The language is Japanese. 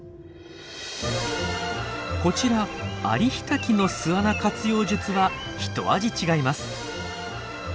こちらアリヒタキの巣穴活用術はひと味違います。